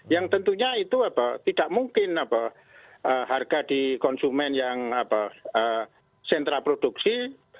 yang tentunya itu tidak mungkin harga di konsumen yang sentra produksi